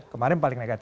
kemarin paling negatif